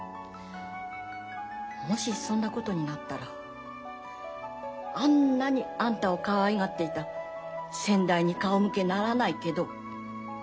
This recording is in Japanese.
もしそんなことになったらあんなにあんたをかわいがっていた先代に顔向けならないけど。